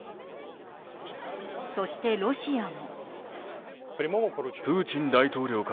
そして、ロシアも。